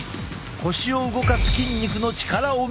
腰を動かす筋肉の力を見てみよう。